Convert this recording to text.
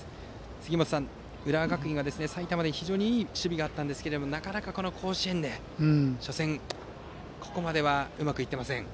杉本さん、浦和学院は埼玉では非常にいい守備があったんですがなかなか甲子園で初戦、ここまではうまくいっていません。